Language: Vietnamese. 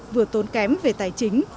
vừa tốn kém về tài chính